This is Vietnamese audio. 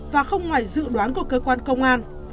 và không ngoài dự đoán của cơ quan công an